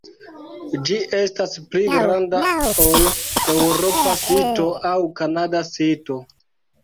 Ĝi estas pli granda ol eŭropa sito aŭ kanada sito.